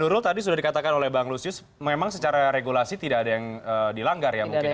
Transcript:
nurul tadi sudah dikatakan oleh bang lusius memang secara regulasi tidak ada yang dilanggar ya mungkin ya